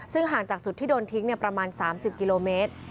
ซึ่งห่างจากจุดที่โดนทิ้งเนี่ยประมาณสามสิบกิโลเมตร